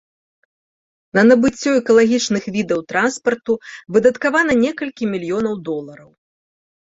На набыццё экалагічных відаў транспарту выдаткавана некалькі мільёнаў долараў.